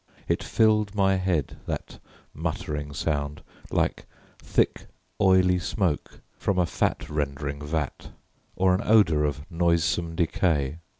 It filled my head, that muttering sound, like thick oily smoke from a fat rendering vat or an odour of noisome decay.